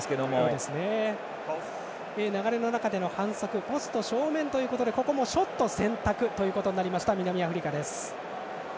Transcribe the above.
流れの中での反則ポスト正面ということでここもショット選択となりました南アフリカです。